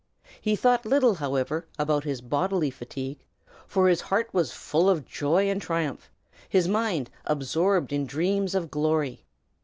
He thought little, however, about his bodily fatigue, for his heart was full of joy and triumph, his mind absorbed in dreams of glory.